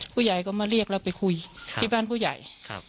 ผู้ใหญ่ก็มาเรียกเราไปคุยที่บ้านผู้ใหญ่